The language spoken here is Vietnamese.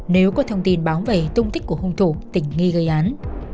nếu có thông tin báo về tung tích của hung thủ tình nghi gây án